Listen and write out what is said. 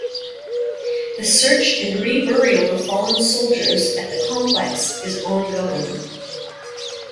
The search and reburial of fallen soldiers at the complex is ongoing.